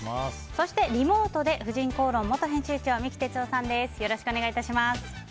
そして、リモートで「婦人公論」元編集長三木哲男さんです。